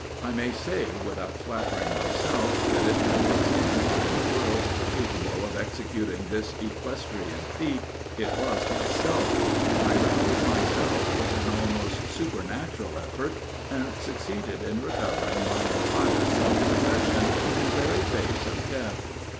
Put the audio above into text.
I may say, without flattering myself, that if there was any one in the world capable of executing this equestrian feat, it was myself. I rallied myself with an almost supernatural effort, and succeeded in recovering my entire self possession, in the very face of death.